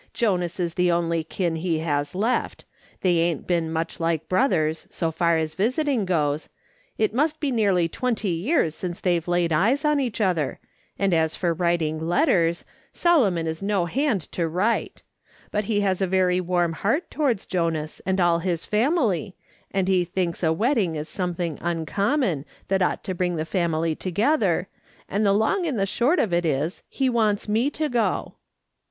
Jonas is tlic only kin he has left ; they ain't been much like brothers, so far as visiting goes ; it must be nearly twenty years since they've laid eyes on each other, and as for writing letters, Solomon is no hand to write ; but he has a very warm heart towards Jonas and all his family, and he thinks a wedding is something uncommon, that ought to bring the family together, and the long and short of it is, he wants me to go."